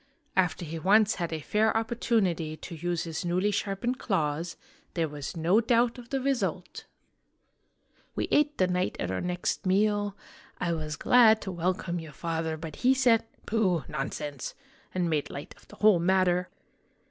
After he once had a fair opportunity to use his newly sharpened claws, there was no doubt of the result !" We ate the knight at our next meal. I was glad to welcome your father ; but he said, ' Pooh ! nonsense !' and made light of the whole matter